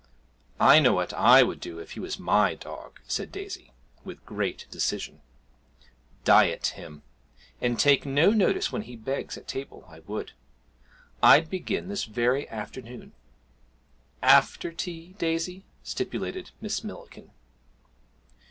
'I know what I would do if he was my dog,' said Daisy, with great decision 'diet him, and take no notice when he begs at table; I would. I'd begin this very afternoon.' 'After tea, Daisy?' stipulated Miss Millikin.